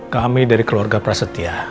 kami dari keluarga prasetya